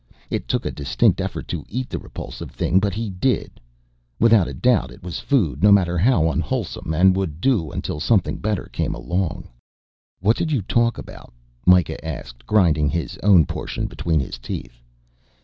It took a distinct effort to eat the repulsive thing but he did. Without a doubt it was food, no matter how unwholesome, and would do until something better came along. "What did you talk about?" Mikah asked, grinding his own portion between his teeth.